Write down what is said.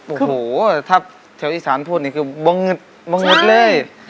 โอ้โหถ้าเทียวอีสานพูดนี่ก็บังงึดเลยนะครับ